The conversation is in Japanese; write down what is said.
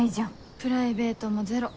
プライベートもゼロ。